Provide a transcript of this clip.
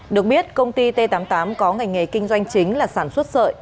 được biết công ty t tám mươi tám có ngành nghề kinh doanh chính là sản xuất sợi